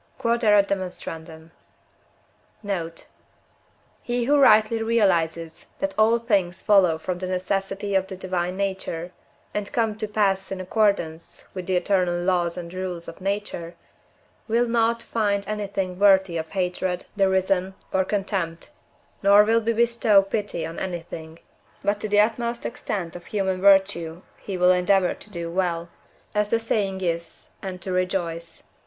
Q.E.D. Note. He who rightly realizes, that all things follow from the necessity of the divine nature, and come to pass in accordance with the eternal laws and rules of nature, will not find anything worthy of hatred, derision, or contempt, nor will he bestow pity on anything, but to the utmost extent of human virtue he will endeavour to do well, as the saying is, and to rejoice.